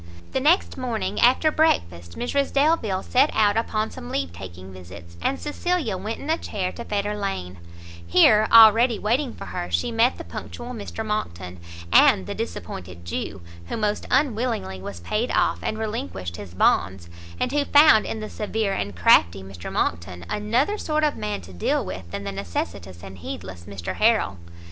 The next morning after breakfast, Mrs Delvile set out upon some leave taking visits, and Cecilia went in a chair to Fetter lane; here, already waiting for her, she met the punctual Mr Monckton, and the disappointed Jew, who most unwillingly was paid off, and relinquished his bonds; and who found in the severe and crafty Mr Monckton, another sort of man to deal with than the necessitous and heedless Mr Harrel.